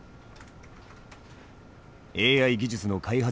ＡＩ技術の開発